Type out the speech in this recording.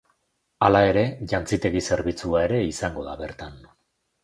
Hala ere, jantzitegi zerbitzua ere izango da bertan.